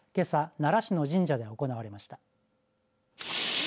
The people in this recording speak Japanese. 奈良市の神社で行われました。